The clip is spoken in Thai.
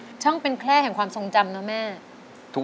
ทั้งในเรื่องของการทำงานเคยทำนานแล้วเกิดปัญหาน้อย